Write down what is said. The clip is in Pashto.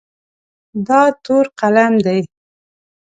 دا تور قلم دی.